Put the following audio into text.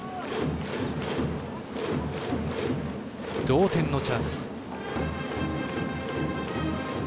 同点のチャンス。